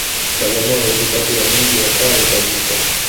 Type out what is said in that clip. Bagamoyo iko kati ya miji ya kale kabisa